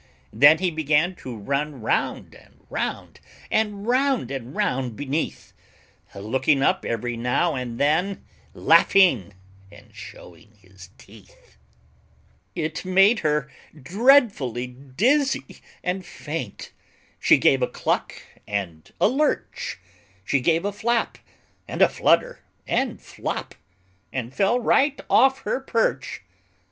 Then he began to run round and round, And round and round beneath, Looking up every now and then, Laughing and showing his teeth. It made her dreadfully dizzy and faint, She gave a cluck and a lurch, She gave a flap and a flutter and flop, And fell right off her perch.